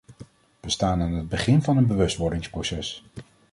We staan aan het begin van een bewustwordingsproces.